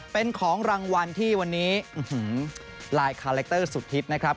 เป็นของรางวัลที่วันนี้ลายคาแรคเตอร์สุดฮิตนะครับ